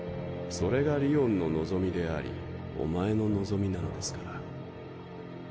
それがりおんの望みでありおまえの望みなのですから。